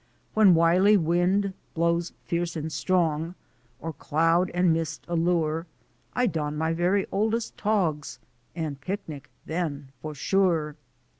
When wily wind blows fierce and strong, Or cloud and mist allure, I don my very oldest togs, And picnic then for sure.